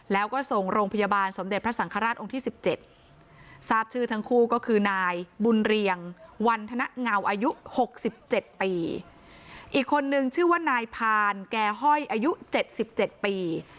แล้วก็ส่งโรงพยาบาลสมเด็จพระสังฆราชองค์ที่๑๗ทราบชื่อทั้งคู่ก็คือนายบุญเรียงวันธนเงาอายุ๖๗ปีอีกคนนึงชื่อว่านายพานแก่ห้อยอายุ๗๗ปี